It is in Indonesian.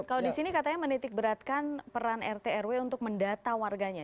kalau di sini katanya menitik beratkan peran rt rw untuk mendata warganya